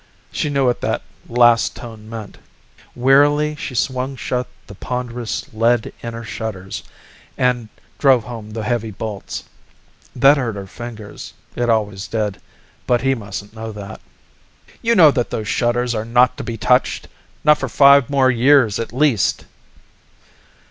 She knew what that last tone meant. Wearily she swung shut the ponderous lead inner shutters and drove home the heavy bolts. That hurt her fingers; it always did, but he mustn't know that. "You know that those shutters are not to be touched! Not for five more years at least!"